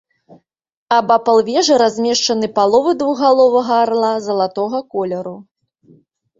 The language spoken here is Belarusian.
Абапал вежы размешчаны паловы двухгаловага арла залатога колеру.